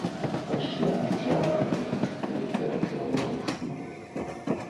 Пасля ржавай бляшкай перапілаваў шнур.